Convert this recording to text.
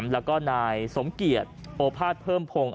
แล้วก็นายสมเกียจโอภาษเพิ่มพงศ์